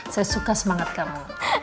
saya suka semangat kamu